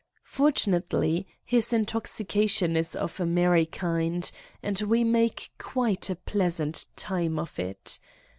Fortunately his intoxica tion is of a merry kind and we make quite a pleas ant time of it.